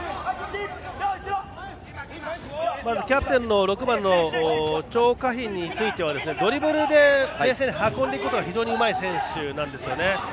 キャプテン、６番の張家彬についてはドリブルで運んでくるのが非常にうまい選手なんですね。